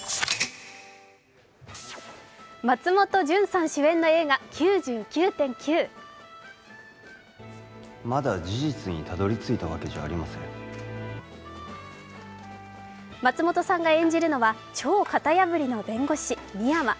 松本潤さん主演の映画「９９．９」松本さんが演じるのは超型破りの弁護士、深山。